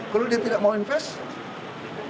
kalau dia tidak mau invest